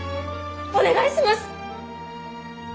お願いします！